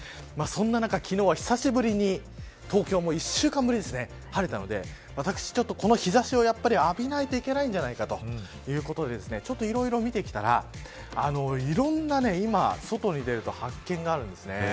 そんな中、久しぶりに東京も１週間ぶりに晴れたので私、この日差しを浴びないといけないんではないかということでちょっといろいろ見てきたらいろんな外に出ると発見があるんです。